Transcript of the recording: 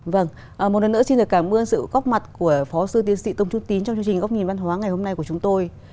vâng một lần nữa xin được cảm ơn sự góp mặt của phó sư tiến sĩ tông chu tín trong chương trình góc nhìn văn hóa ngày hôm nay của chúng tôi